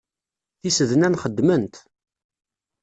Tisednan xeddment.